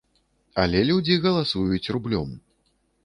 Але людзі галасуюць рублём.